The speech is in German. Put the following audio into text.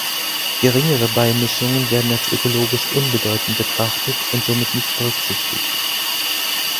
Geringere Beimischungen werden als ökologisch unbedeutend betrachtet und somit nicht berücksichtigt.